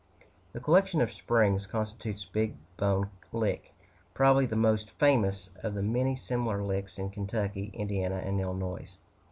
This collection of springs constitutes Big Bone Lick, probably the most famous of the many similar licks in Kentucky, Indiana, and Illinois.